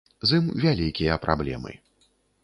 З ім вялікія праблемы.